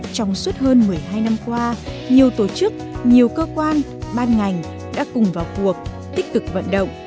trong suốt hơn một mươi hai năm qua nhiều tổ chức nhiều cơ quan ban ngành đã cùng vào cuộc tích cực vận động